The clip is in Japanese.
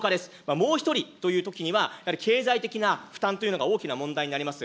もう１人というときには、やはり経済的な負担というのが大きな問題になります。